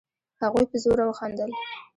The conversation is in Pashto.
هغوی په زوره خندل.